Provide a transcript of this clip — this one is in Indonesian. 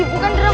ih bukan deram